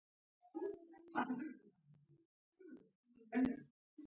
زه کولی شم تاسو ته پنځه سلنه تخفیف درکړم.